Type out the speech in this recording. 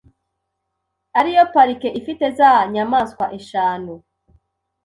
ariyo parike ifite za nyamaswa eshanu